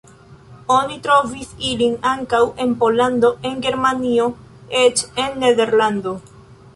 Oni trovis ilin ankaŭ en Pollando, en Germanio, eĉ en Nederlando.